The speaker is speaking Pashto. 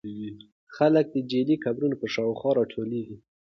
خلک د جعلي قبرونو په شاوخوا راټولېږي.